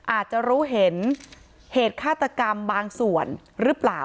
อาจจะรู้เห็นเหตุฆาตกรรมบางส่วนหรือเปล่า